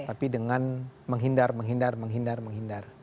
tapi dengan menghindar menghindar menghindar menghindar